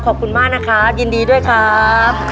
ขอบคุณมากนะครับยินดีด้วยครับ